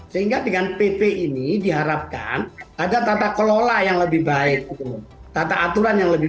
sehingga dengan pp ini diharapkan ada tata kelola yang lebih baik tata aturan yang lebih